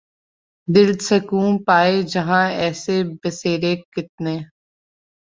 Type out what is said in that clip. دل سکوں پائے جہاں ایسے بسیرے کتنے